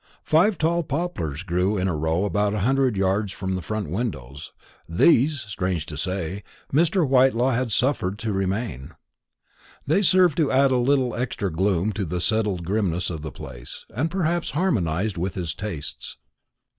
Five tall poplars grew in a row about a hundred yards from the front windows; these, strange to say, Mr. Whitelaw had suffered to remain. They served to add a little extra gloom to the settled grimness of the place, and perhaps harmonised with his tastes.